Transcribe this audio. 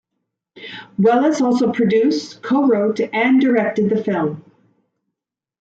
Welles also produced, co-wrote and directed the film.